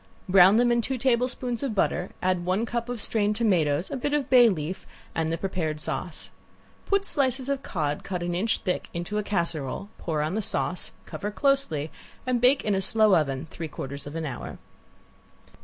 Brown them in two tablespoons of butter, add one cup of strained tomatoes, a bit of bay leaf, and the prepared sauce. Put slices of cod cut an inch thick into a casserole, pour on the sauce, cover closely, and bake in a slow oven three quarters of an hour.